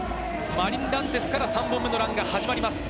マリン・ランテスから３本目のランが始まります。